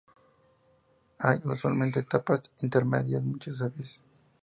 Hay, usualmente, etapas intermedias, muchas a veces.